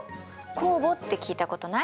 酵母って聞いたことない？